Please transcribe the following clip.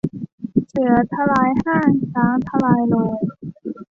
เสือทลายห้าง ช้างทลายโรง